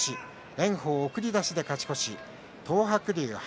炎鵬、送り出しで勝ち越し。